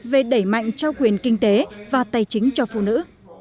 về đẩy mạnh trao quyền kinh tế và tài chính cho phụ nữ